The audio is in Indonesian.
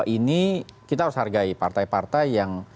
ini kita harus hargai partai partai yang